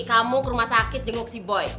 kamu ke rumah sakit jenguk si boy